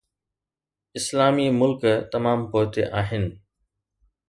اسلامي ملڪ تمام پوئتي آهن.